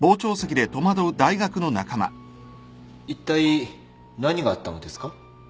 いったい何があったのですか？